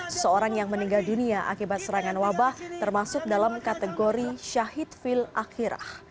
seseorang yang meninggal dunia akibat serangan wabah termasuk dalam kategori syahid fil akhirah